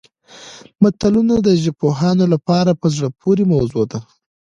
متلونه د ژبپوهانو لپاره په زړه پورې موضوع ده